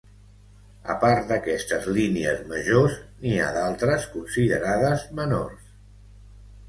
A part d'aquestes línies majors, n'hi ha d'altres considerades menors.